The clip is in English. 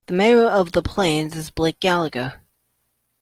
The mayor of The Plains is Blake Gallagher.